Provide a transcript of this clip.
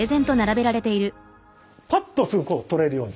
パッとすぐこう取れるように。